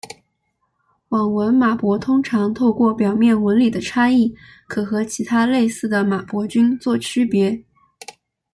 网纹马勃通常透过表面纹理的差异可和其他类似的马勃菌作区别。